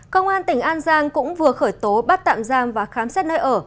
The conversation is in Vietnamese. công an tỉnh an giang cũng vừa khởi tố bắt tạm giam và khám xét nơi ở